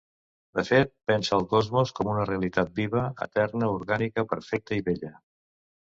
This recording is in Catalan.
De fet, pensa el cosmos com una realitat viva, eterna, orgànica, perfecta, i bella.